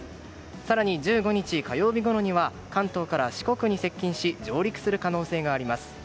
更に１５日火曜日ごろには関東から四国に接近し上陸する可能性があります。